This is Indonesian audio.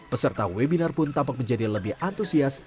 peserta webinar pun tampak menjadi lebih antusias